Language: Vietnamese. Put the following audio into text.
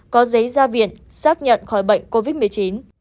có giấy ra viện xác nhận khỏi bệnh covid một mươi chín